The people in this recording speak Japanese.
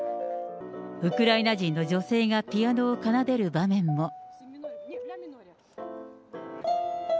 ウクライナ人の女性がピアノを奏でる場面も。